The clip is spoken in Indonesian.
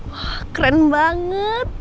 wah keren banget